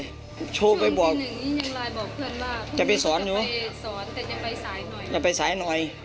โทรไปบอกยังไลน์บอกเพื่อนว่าจะไปสอนหนูไปสอนแต่จะไปสายหน่อยจะไปสายหน่อย